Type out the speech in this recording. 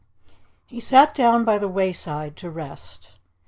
He sat down by the wayside to rest.